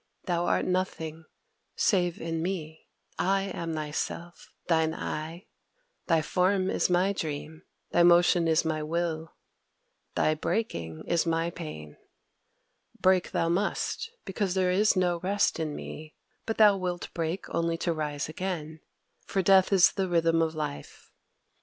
Thou art nothing save in me. I am thy Self, thine 'I': thy form is my dream; thy motion is my will; thy breaking is my pain. Break thou must, because there is no rest in me; but thou wilt break only to rise again, for death is the Rhythm of Life.